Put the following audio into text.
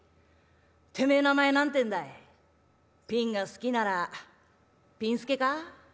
てめえ名前何てんだいピンが好きならピン助か？